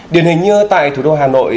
điển hình như tại thủ đô hà nội